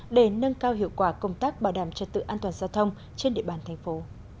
để nâng cao hiệu quả công tác bảo đảm trật tự an toàn giao thông trên địa bàn thành phố